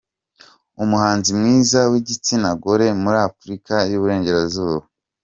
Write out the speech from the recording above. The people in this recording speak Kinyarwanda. Umuhanzi mwiza w’igitsina gore muri Afurika y’Uburengerazuba.